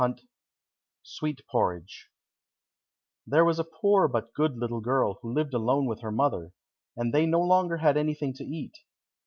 103 Sweet Porridge There was a poor but good little girl who lived alone with her mother, and they no longer had anything to eat.